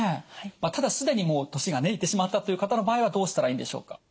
ただ既にもう年がいってしまったという方の場合はどうしたらいいんでしょうか。